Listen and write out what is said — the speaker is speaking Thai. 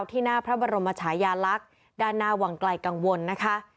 ที่หน้าพระบรมชายาลักษณ์ด้านหน้าวังไกลกังวลนะคะ